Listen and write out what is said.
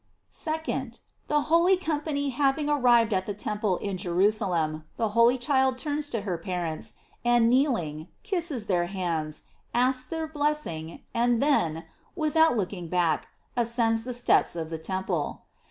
2d. The holy company having arrived at the temple in Jerusalem, the holy child turns to her parents, and kneeling, kisses their hands, asks their blessing, and then, without looking back, ascends the steps of the temple.